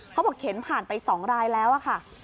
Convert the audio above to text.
เขาบอกเข็นผ่านไป๒รายแล้วค่ะ